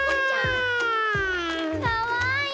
かわいい！